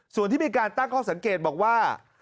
ส่วนที่มีการตั้งข้อสังเกตบอกว่า